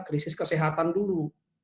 krisis kesehatan dulu